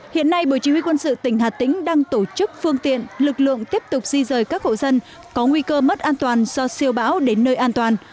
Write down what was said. hiện nay bộ chỉ huy quân sự tỉnh hà tĩnh đang tổ chức phương tiện lực lượng tiếp tục di rời các hộ dân có nguy cơ mất an toàn do siêu bão đến nơi an toàn